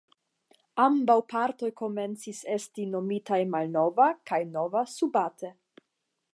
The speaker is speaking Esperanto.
Ambaŭ partoj komencis esti nomitaj Malnova kaj Nova Subate.